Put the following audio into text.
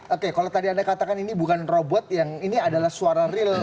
oke kalau tadi anda katakan ini bukan robot yang ini adalah suara real